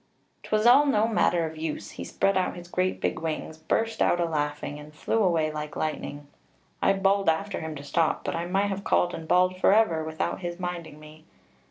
'Twas all to no manner of use; he spread out his great big wings, burst out a laughing, and flew away like lightning. I bawled after him to stop; but I might have called and bawled for ever, without his minding me.